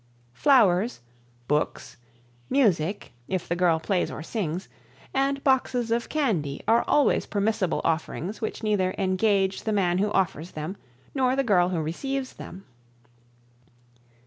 Flowers, books, music, if the girl plays or sings, and boxes of candy are always permissible offerings which neither engage the man who offers them nor the girl who receives them.